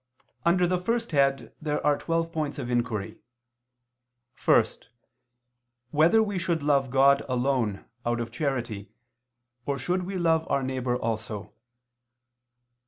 Under the first head there are twelve points of inquiry: (1) Whether we should love God alone, out of charity, or should we love our neighbor also?